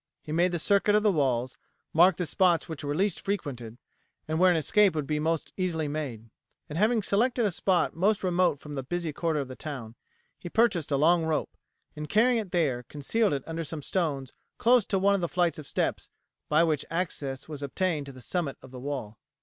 He made the circuit of the walls, marked the spots which were least frequented and where an escape would be most easily made; and, having selected a spot most remote from the busy quarter of the town, he purchased a long rope, and carrying it there concealed it under some stones close to one of the flights of steps by which access was obtained to the summit of the wall.